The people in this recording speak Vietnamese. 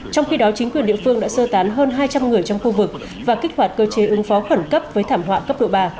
trong khi đó chính quyền địa phương đã sơ tán hơn hai trăm linh người trong khu vực và kích hoạt cơ chế ứng phó khẩn cấp với thảm họa cấp độ ba